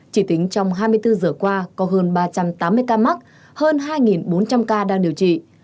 chỉ tính trong hai mươi bốn giờ qua có hơn ba trăm tám mươi ca mắc hơn hai bốn trăm linh ca đang điều trị